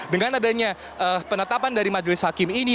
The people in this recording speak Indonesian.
dengan adanya penetapan dari majelis hakim ini